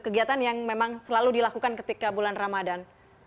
kegiatan yang memang selalu dilakukan ketika bulan ramadan